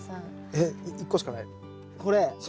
えっ１個しかないよ。